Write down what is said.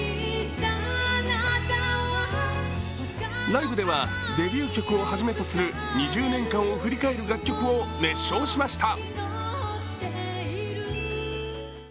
ライブではデビュー曲をはじめとする２０年間を振り返る楽曲を熱唱しました。